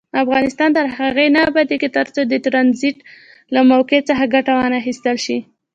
افغانستان تر هغو نه ابادیږي، ترڅو د ټرانزیټ له موقع څخه ګټه وانخیستل شي.